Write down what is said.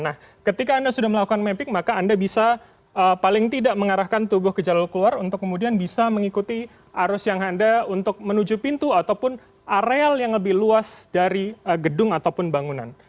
nah ketika anda sudah melakukan mapping maka anda bisa paling tidak mengarahkan tubuh ke jalur keluar untuk kemudian bisa mengikuti arus yang anda untuk menuju pintu ataupun areal yang lebih luas dari gedung ataupun bangunan